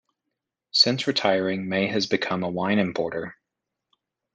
Since retiring May has become a wine importer.